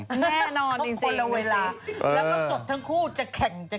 แน่นอนจริงแล้วมาสดทั้งคู่จะแข่งจะแข่ง